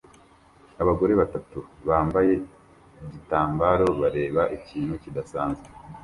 Abagore batatu bambaye igitambaro bareba ikintu kidasanzwe